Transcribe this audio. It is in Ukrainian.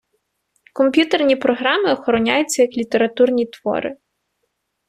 Комп'ютерні програми охороняються як літературні твори.